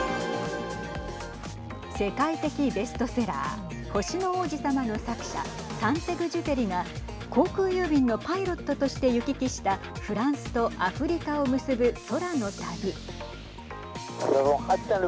世界的ベストセラー星の王子さまの作者サンテグジュペリが航空郵便のパイロットとして行き来したフランスとアフリカを結ぶ空の旅。